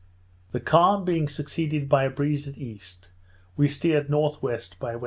The calm being succeeded by a breeze at east, we steered N.W. by W.